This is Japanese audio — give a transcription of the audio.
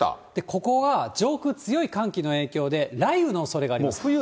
ここが上空、強い寒気の影響で雷雨のおそれがあります。